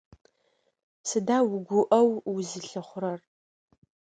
Сыда угуӀэу узылъыхъурэр?